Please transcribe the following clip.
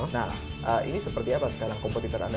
nah ini seperti apa sekarang kompetitor anda